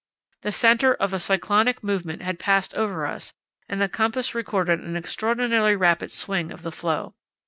The centre of a cyclonic movement had passed over us, and the compass recorded an extraordinarily rapid swing of the floe.